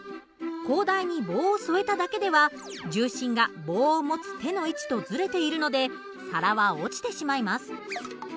高台に棒を添えただけでは重心が棒を持つ手の位置とずれているので皿は落ちてしまいます。